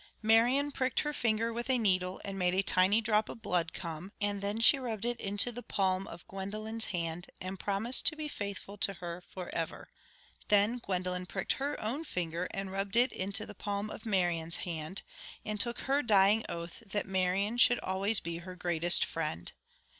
Marian pricked her finger with a needle and made a tiny drop of blood come, and then she rubbed it into the palm of Gwendolen's hand and promised to be faithful to her for ever. Then Gwendolen pricked her own finger and rubbed it into the palm of Marian's hand, and took her dying oath that Marian should always be her greatest friend.